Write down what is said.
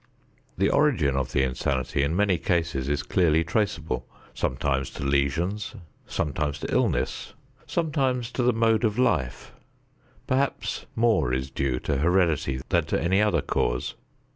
The origin of the insanity in many cases is clearly traceable: sometimes to lesions; sometimes to illness; sometimes to the mode of life; perhaps more is due to heredity than to any other cause.